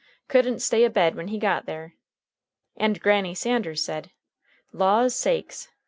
Couldn't stay abed when he got there. And Granny Sanders said, Law's sakes!